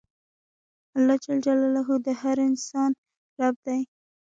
اللهﷻ د هر انسان رب دی.